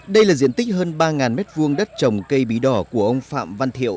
đây là diện tích hơn ba m hai đất trồng cây bí đỏ của ông phạm văn thiệu